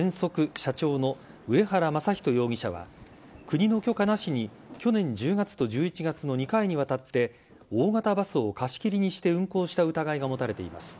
社長の上原昌仁容疑者は、国の許可なしに去年１０月と１１月の２回にわたって、大型バスを貸し切りにして運行した疑いが持たれています。